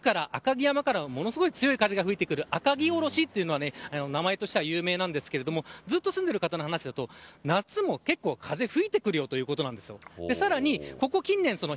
地元の方によると冬にこの奥から赤城山からものすごい強い風が吹いてくる赤城おろしというのが名前としては有名ですがずっと住んでいる方の話だと夏も結構風が吹いてくるよという話なんです。